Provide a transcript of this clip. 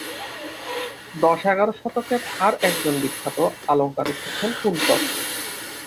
দশ-এগারো শতকের আর একজন বিখ্যাত আলঙ্কারিক হচ্ছেন কুন্তক।